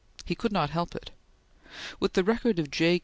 He could not help it. With the record of J.